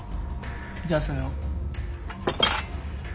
じゃあそれを。